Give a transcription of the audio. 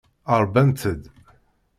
Rbant-d.